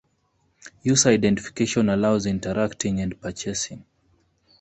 User identification allows interacting and purchasing.